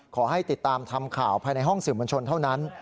ขอให้ติดตามทำข่าวภายในห้องสื่อมวลชนเท่านั้น